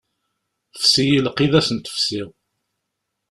Fsi-yi lqid ad sent-fsiɣ.